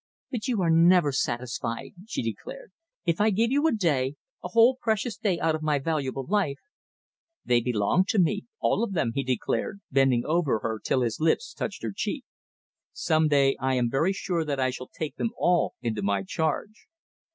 "But you are never satisfied," she declared. "If I give you a day, a whole precious day out of my valuable life " "They belong to me, all of them," he declared, bending over her till his lips touched her cheek. "Some day I am very sure that I shall take them all into my charge."